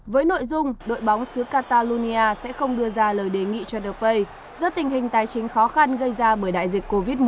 với nội dung đội bóng xứ catalonia sẽ không đưa ra lời đề nghị cho the pay do tình hình tài chính khó khăn gây ra bởi đại dịch covid một mươi chín